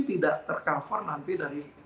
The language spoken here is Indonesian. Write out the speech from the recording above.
tidak tercover nanti dari